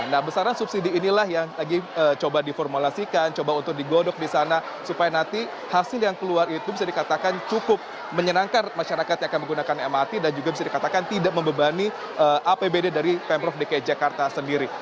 nah besaran subsidi inilah yang lagi coba diformulasikan coba untuk digodok di sana supaya nanti hasil yang keluar itu bisa dikatakan cukup menyenangkan masyarakat yang akan menggunakan mrt dan juga bisa dikatakan tidak membebani apbd dari pemprov dki jakarta sendiri